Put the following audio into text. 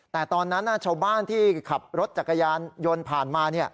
แต่ตอนนั้นชาวบ้านที่ขับรถจักรยานยนต์ผ่านมา